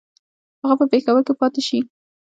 هغه په پېښور کې پاته شي.